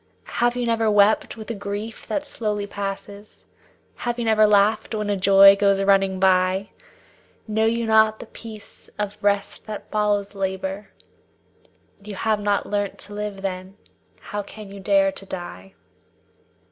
Have you never wept with a grief that slowly passes; Have you never laughed when a joy goes running by? Know you not the peace of rest that follows labor? You have not learnt to live then; how can you dare to die?